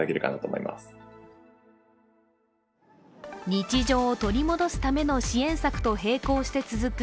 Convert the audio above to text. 日常を取り戻すための支援策と並行して続く